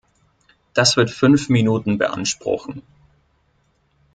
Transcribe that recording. Das wird fünf Minuten beanspruchen.